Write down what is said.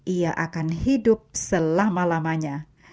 ia akan hidup selama lamanya